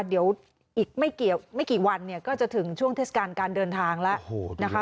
เดี๋ยวอีกไม่เกี่ยวไม่กี่วันเนี่ยก็จะถึงช่วงเทสการการเดินทางแล้วโอ้โห